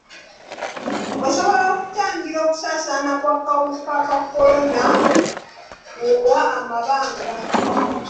Osobola okutangira okusaasaana kw'akawuka ka kolona ng'owa amabanga.